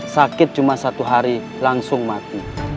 sakit cuma satu hari langsung mati